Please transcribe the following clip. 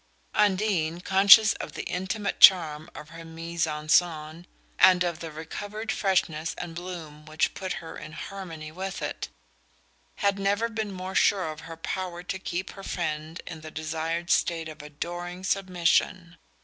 Undine, conscious of the intimate charm of her mise en scene, and of the recovered freshness and bloom which put her in harmony with it, had never been more sure of her power to keep her friend in the desired state of adoring submission.